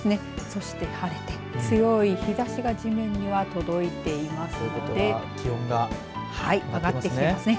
そして晴れて強い日ざしが地面には届いていますので気温が上がっていますね。